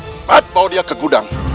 empat bawa dia ke gudang